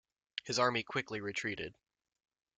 His army quickly retreated.